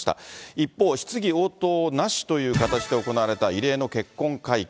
一方、質疑応答なしという形で行われた異例の結婚会見。